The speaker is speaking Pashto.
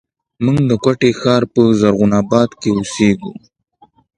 موږ د کوټي ښار په زرغون آباد کښې اوسېږو